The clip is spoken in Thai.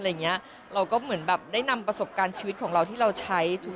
เราก็เหมือนแบบได้นำประสบการณ์ชีวิตของเราที่เราใช้ถูก